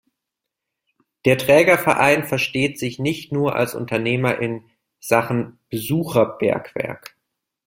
Der Trägerverein versteht sich nicht nur als Unternehmer in Sachen "Besucherbergwerk".